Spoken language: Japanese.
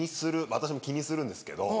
私も気にするんですけど。